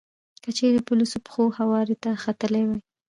که چېرې په لوڅو پښو هوارې ته ختلی وای.